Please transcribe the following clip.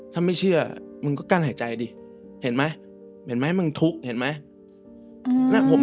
ถ้าไม่เชื่อมึงก็กั้นหายใจดิเห็นไหมเห็นไหมมึงทุกข์เห็นไหม